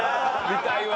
見たいわ！